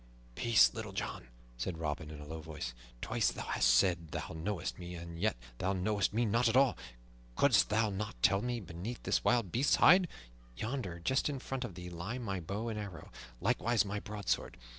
"Peace, Little John!" said Robin in a low voice. "Twice thou hast said thou knowest me, and yet thou knowest me not at all. Couldst thou not tell me beneath this wild beast's hide? Yonder, just in front of thee, lie my bow and arrows, likewise my broadsword.